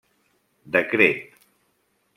Decret.